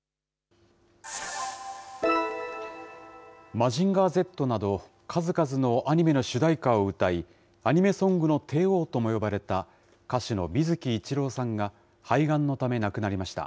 マジンガーＺなど、数々のアニメの主題歌を歌い、アニメソングの帝王とも呼ばれた歌手の水木一郎さんが、肺がんのため亡くなりました。